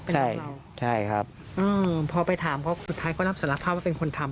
ใช่ใช่ครับพอไปถามเขาสุดท้ายเขารับสารภาพว่าเป็นคนทำ